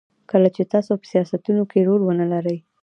کله چې تاسو په سیاستونو کې رول ونلرئ.